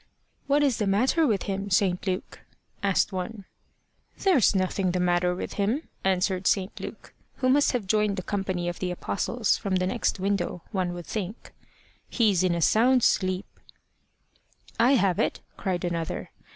"What is the matter with him, St. Luke?" asked one. "There's nothing the matter with him," answered St. Luke, who must have joined the company of the Apostles from the next window, one would think. "He's in a sound sleep." "I have it," cried another.